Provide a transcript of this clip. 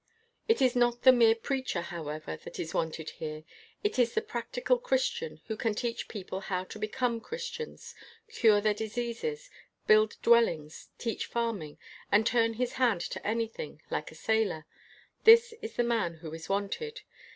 It is not the mere preacher, however, that is wanted here. It is the practical Chris tian, who can teach people how to become Christians, cure their diseases, build dwell ings, teach farming, and turn his hand to anything, like a sailor — this is the man who is wanted.